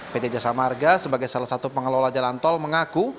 pt jasa marga sebagai salah satu pengelola jalan tol mengaku